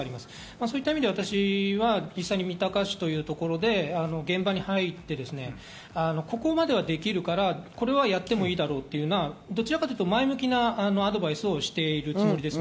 そういった意味で実際には私は三鷹市で現場に入って、ここまではできるから、これをやってもいいだろうというような、どちらかというと前向きなアドバイスをしています。